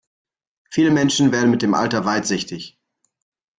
Viele Menschen werden mit dem Alter weitsichtig.